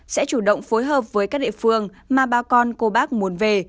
sẽ chủ động phối hợp với các địa phương mà bà con cô bác muốn về